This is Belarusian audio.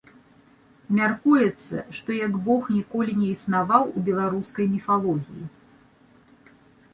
Мяркуецца, што як бог ніколі не існаваў у беларускай міфалогіі.